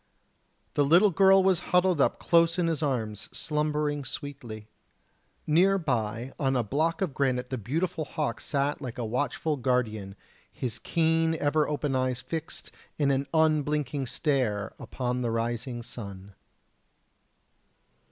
The little girl was huddled up close in his arms slumbering sweetly. Near by on a block of granite the beautiful hawk sat like a watchful guardian his keen ever open eyes fixed in an unblinking stare upon the rising sun.